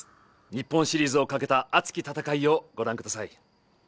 日本シリーズをかけた熱き戦いをご覧ください